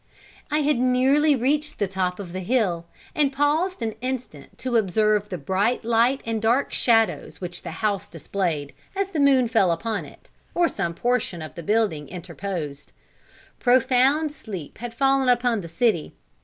I had nearly reached the top of the hill, and paused an instant to observe the bright light and dark shadows which the house displayed, as the moon fell upon it, or some portion of the building interposed. Profound sleep had fallen upon the city.